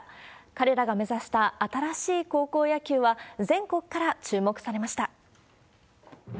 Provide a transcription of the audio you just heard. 彼らが目指した新しい高校野球は、全国から注目されました。